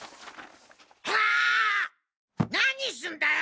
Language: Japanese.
ああ！？何すんだよ